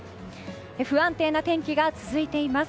不安定な天気が続いています。